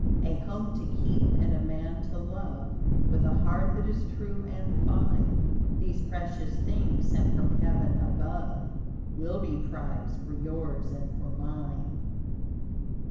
A home to keep and a man to love, With a heart that is true and fine. These precious things sent from heaven above, Will be prized for yours and for mine.